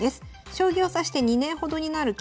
「将棋を指して２年ほどになる級位者です。